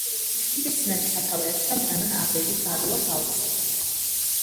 ჯგუფის ცნების სათავეებთან დგანან აბელი, გალუა, გაუსი.